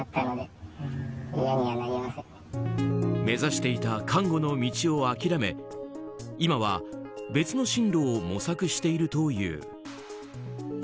目指していた看護の道を諦め今は、別の進路を模索しているという。